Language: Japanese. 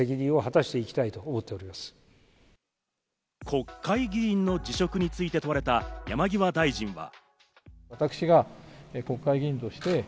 国会議員の辞職について問われた山際大臣は。